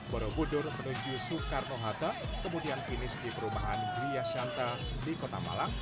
borobudur menuju soekarno hatta kemudian finis di perumahan riyasyanta di kota malang